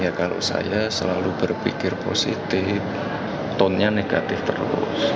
ya kalau saya selalu berpikir positif tonenya negatif terus